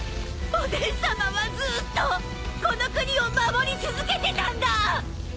おでんさまはずーっとこの国を守り続けてたんだ！